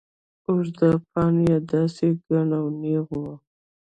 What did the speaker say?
اوږده باڼه يې داسې گڼ او نېغ وو.